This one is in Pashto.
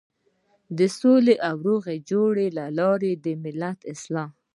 د سولې او روغې جوړې له لارې د ملت اصلاح.